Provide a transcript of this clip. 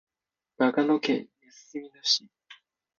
長野県安曇野市